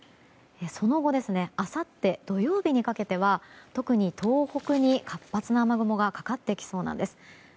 その後あさって土曜日にかけては特に東北に、活発な雨雲がかかってきそうです。